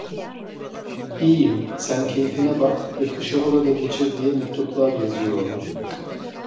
İyiyim, sen keyfine bak ve kışı orada geçir diye mektuplar yazıyordu.